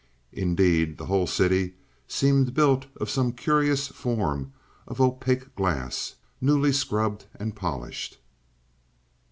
Indeed, the whole city seemed built of some curious form of opaque glass, newly scrubbed and polished.